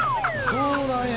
そうなんや。